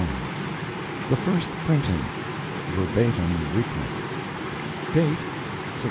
MEINE THE FIRST PRINTING Verbatim Reprint [Date, 1601.